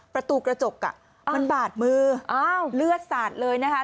ประตูกระจกมันบาดมือเลือดสาดเลยนะคะ